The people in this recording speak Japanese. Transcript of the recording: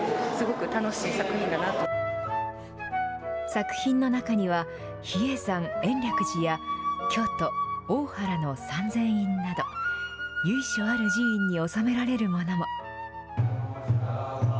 作品の中には、比叡山延暦寺や京都大原の三千院など、由緒ある寺院に納められるものも。